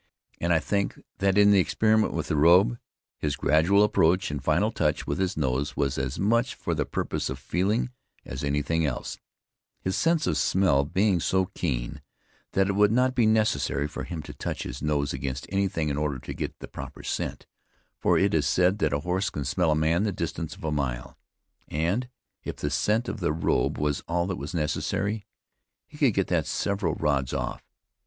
And I think that in the experiment with the robe, his gradual approach and final touch with his nose was as much for the purpose of feeling, as anything else, his sense of smell being so keen, that it would not be necessary for him to touch his nose against anything in order to get the proper scent; for it is said that a horse can smell a man the distance of a mile. And, if the scent of the robe was all that was necessary, he could get that several rods off.